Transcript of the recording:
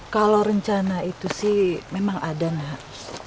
kalau rencana itu sih memang ada nak